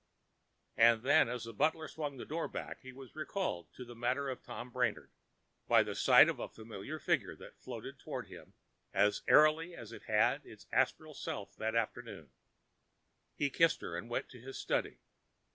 And then, as the butler swung the door back, he was recalled to the matter of Tom Brainard by the sight of a familiar figure that floated toward him as airily as had its astral self that afternoon. He kissed her and went to his study.